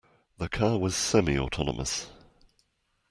The car was semi-autonomous.